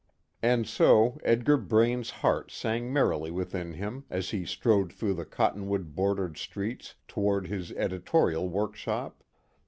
And so Edgar Braine's heart sang merrily within him as he strode through the cottonwood bordered streets toward his editorial work shop.